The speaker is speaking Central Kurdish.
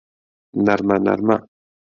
نەرمە نەرمە